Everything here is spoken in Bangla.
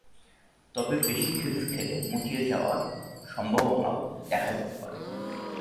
তবে বেশি খেজুর খেলে মুটিয়ে যাওয়ার সম্ভাবনাও দেখা দিতে পারে।